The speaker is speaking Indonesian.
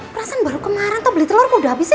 perasa baru kemaren taw beli telur kok udah abisi